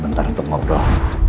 sebentar untuk ngobrol